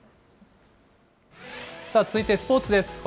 続いてスポーツです。